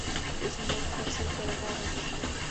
Desemboca cerca de Orange.